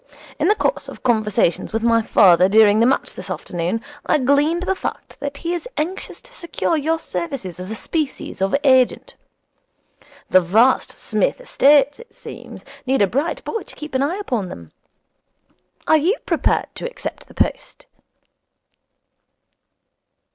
In the course of conversation with my father during the match this afternoon, I gleaned the fact that he is anxious to secure your services as a species of agent. The vast Psmith estates, it seems, need a bright boy to keep an eye upon them. Are you prepared to accept the post?'